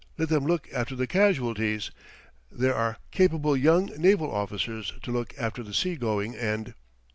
Let them look after the casualties; there are capable young naval officers to look after the seagoing end.